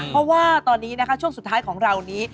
เพราะว่าตอนนี้นะคะช่วงสุดท้ายของเรานี้